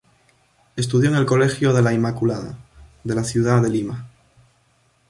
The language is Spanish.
Estudió en el Colegio de la Inmaculada de la ciudad de Lima.